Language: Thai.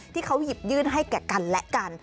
ที่เขาหยิบยื่นให้แก่กันและกัน